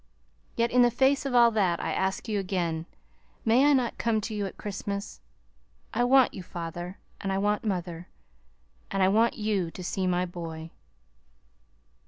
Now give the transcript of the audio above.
Yet in the face of all that, I ask you again, may I not come to you at Christmas? I want you, father, and I want mother. And I want you to see my boy.